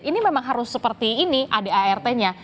ini memang harus seperti ini adart nya